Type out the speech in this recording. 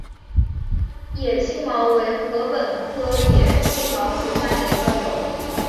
野青茅为禾本科野青茅属下的一个种。